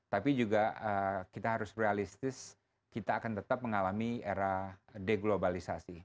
tapi juga kita harus realistis kita akan tetap mengalami era deglobalisasi